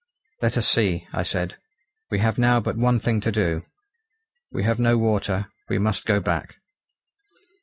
. "Let us see," I said, "we have now but one thing to do. We have no water; we must go back."